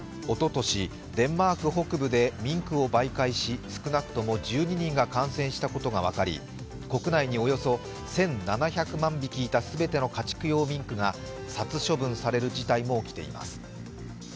おととし、デンマーク北部でミンクを媒介し少なくとも１２人が感染したことが分かり、国内におよそ１７００万匹いた全ての家畜用ミンクが殺処分される事態も起きています。